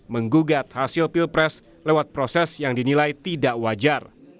menggugat hasil pilpres lewat proses yang dinilai tidak wajar